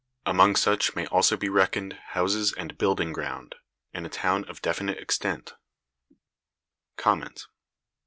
Among such may also be reckoned houses and building ground, in a town of definite extent.